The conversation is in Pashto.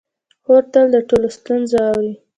خور تل د ټولو ستونزې اوري.